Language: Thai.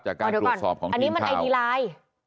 จากการตรวจสอบของทีมข่าวอันนี้มันไอดีไลน์